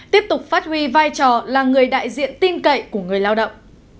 tiếp tục phát huy vai trò là người đại diện tin cậy của người lao động